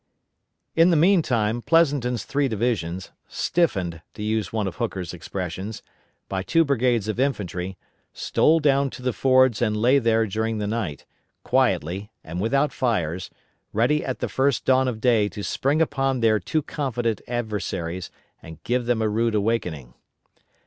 ] In the meantime Pleasonton's three divisions, "stiffened" to use one of Hooker's expressions by two brigades of infantry, stole down to the fords and lay there during the night, quietly, and without fires, ready at the first dawn of day to spring upon their too confident adversaries and give them a rude awakening.